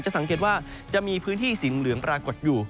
สังเกตว่าจะมีพื้นที่สีเหลืองปรากฏอยู่